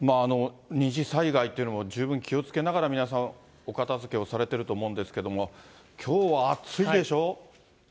二次災害というのも十分気をつけながら皆様、お片づけをされてると思うんですけれども、きょうは暑いでしょ。